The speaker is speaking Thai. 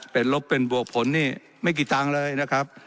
เป็นลบเป็นบวกผลนี่ไม่กี่ตังค์เลยนะครับ